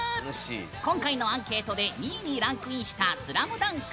今回のアンケートで２位にランクインした「スラムダンク」。